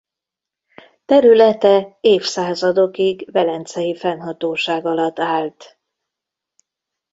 Területe évszázadokig velencei fennhatóság alatt állt.